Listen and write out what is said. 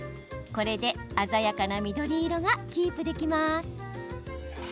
これで鮮やかな緑色がキープできます。